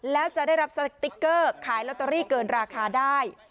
แล้วจะได้รับสติ๊กเกอร์ขายลอตเตอรี่เกินราคาได้